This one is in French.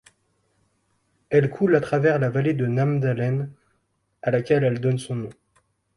Elle coule à travers la vallée de Namdalen, à laquelle elle donne son nom.